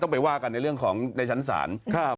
ไปว่ากันในเรื่องของในชั้นศาล